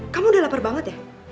kamu udah lapar banget ya